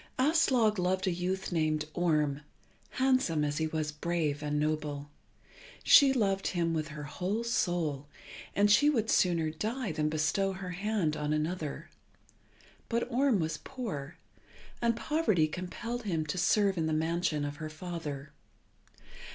Aslog loved a youth named Orm, handsome as he was brave and noble. She loved him with her whole soul, and she would sooner die than bestow her hand on another. But Orm was poor, and poverty compelled him to serve in the mansion of her father.